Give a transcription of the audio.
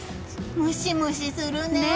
ムシムシするね。